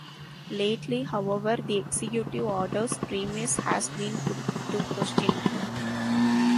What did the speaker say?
Lately, however, the Executive Order's premise has been put to question.